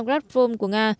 radform của nga